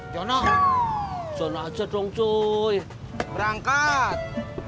jalan jalan aja dong cuy berangkat